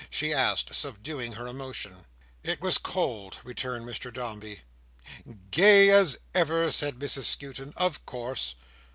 she asked, subduing her emotion. "It was cold," returned Mr Dombey. "Gay as ever," said Mrs Skewton, "of course.